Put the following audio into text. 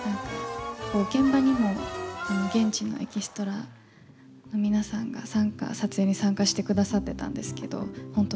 現場にも現地のエキストラの皆さんが撮影に参加してくださってたんですけど本当